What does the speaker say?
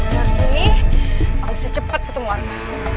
dari sini aku bisa cepet ketemu arka